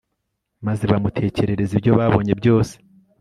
maze bamutekerereza ibyo babonye byose